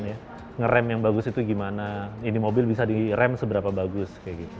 ngeram yang bagus itu gimana ini mobil bisa direm seberapa bagus